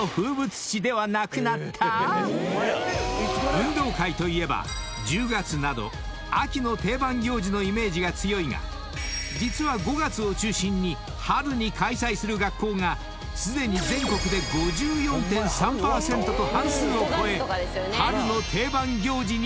［運動会といえば１０月など秋の定番行事のイメージが強いが実は５月を中心に春に開催する学校がすでに全国で５４．３％と半数を超え］